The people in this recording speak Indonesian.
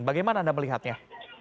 bagaimana anda melihatnya